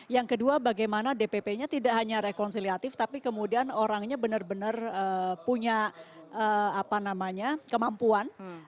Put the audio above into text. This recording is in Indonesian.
yang kedua bagaimana dpp nya tidak hanya rekonsiliatif tapi kemudian orangnya benar benar punya kemampuan